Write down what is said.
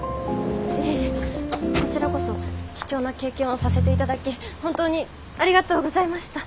いえいえこちらこそ貴重な経験をさせて頂き本当にありがとうございました。